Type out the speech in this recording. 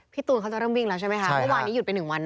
ตูนเขาจะเริ่มวิ่งแล้วใช่ไหมคะเมื่อวานนี้หยุดไป๑วัน